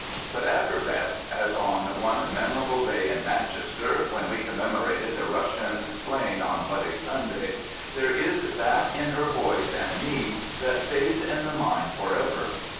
But at her best, as on one memorable day in Manchester, when we commemorated the Russians slain on Bloody Sunday, there is that in her voice and mien that stays in the mind for ever.